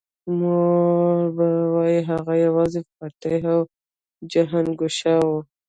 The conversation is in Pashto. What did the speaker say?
مور به ویل هغه یوازې فاتح او جهانګشا و